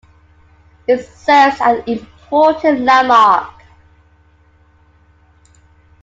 It serves as important landmark.